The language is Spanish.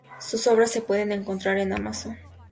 Sus obras se pueden encontrar en Amazon.es.